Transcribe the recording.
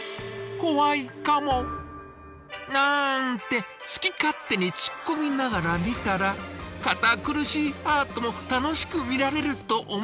怖いかも。なんて好き勝手に突っ込みながら見たら堅苦しいアートも楽しく見られると思いませんか？